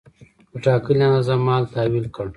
په ټاکلې اندازه مال تحویل کړ.